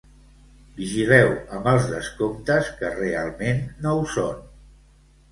Vigileu amb els descomptes que realment no ho són.